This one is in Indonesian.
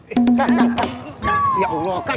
eh kan ya allah kan